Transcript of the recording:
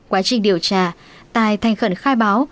quá trình điều tra tài thành khẩn khai báo